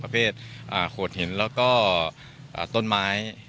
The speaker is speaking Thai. ประเภทโขดหินแล้วก็ต้นไม้